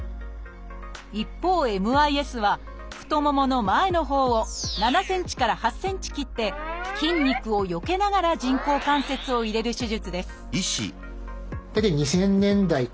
一方ＭＩＳは太ももの前のほうを７センチから８センチ切って筋肉をよけながら人工関節を入れる手術です